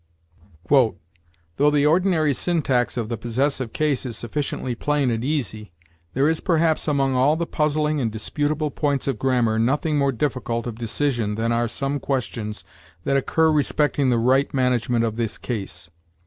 "Though the ordinary syntax of the possessive case is sufficiently plain and easy, there is, perhaps, among all the puzzling and disputable points of grammar, nothing more difficult of decision than are some questions that occur respecting the right management of this case.